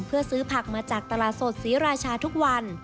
เพื่อซื้อผักมาจากตลาดสดศรีราชาทุกวัน